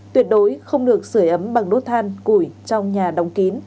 tuyệt đối không được sửa ấm bằng đốt than củi trong nhà đóng kín